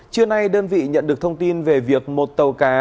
trưa nay đơn vị nhận được thông tin về việc một tàu cá